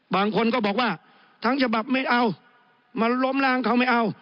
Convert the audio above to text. บางคนก็บอกว่าทั้งฉบับไม่เอามาล้มล้างเขาไม่เอา